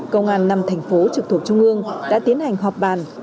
công an năm thành phố trực thuộc trung ương đã tiến hành họp bàn